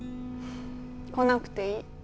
来なくていい。